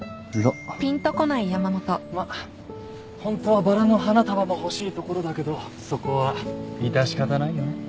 まっホントはバラの花束も欲しいところだけどそこは致し方ないよね。